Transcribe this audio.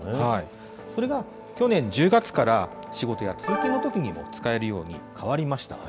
それが去年１０月から仕事や通勤のときにも使えるように変わりました。